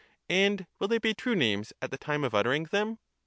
and will they be true names at the time of uttering them?